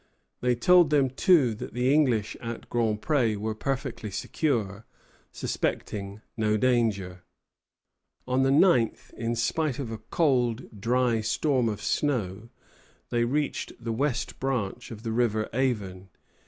They told them, too, that the English at Grand Pré were perfectly secure, suspecting no danger. On the 9th, in spite of a cold, dry storm of snow, they reached the west branch of the river Avon.